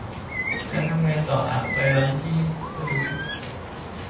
แล้วทำไงต่ออ่ะ ไปร้านที่ซื้อ ?